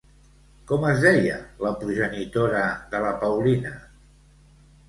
Com es deia la progenitora de la Paulina?